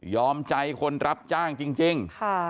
ใจคนรับจ้างจริง